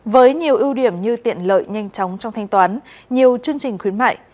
với nhiều ưu điểm như tiện lợi nhanh chóng trong thanh toán nhiều chương trình khuyến mại